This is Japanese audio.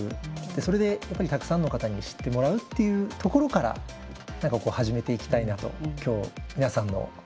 それでやっぱりたくさんの方に知ってもらうっていうところから何かこう始めていきたいなと今日皆さんの話を聞いて感じました。